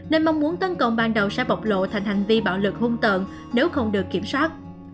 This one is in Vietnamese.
nên mong muốn tấn công ban đầu sẽ bộc lộ thành hành vi bạo lực hung tợn nếu không được kiểm soát